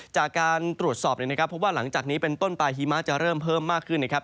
จากการตรวจสอบเนี่ยนะครับเพราะว่าหลังจากนี้เป็นต้นปลายหิมะจะเริ่มเพิ่มมากขึ้นนะครับ